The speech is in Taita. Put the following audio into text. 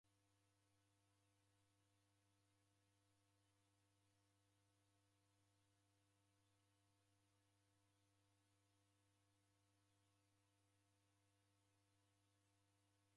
W'omi w'aghenda dema midi yeagha kigharo